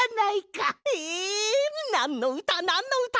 えなんのうたなんのうた！？